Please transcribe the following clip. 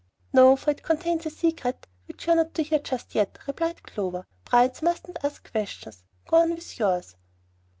"No, for it contains a secret which you are not to hear just yet," replied Clover. "Brides mustn't ask questions. Go on with yours."